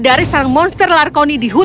dari sarang monster larkorni di hutu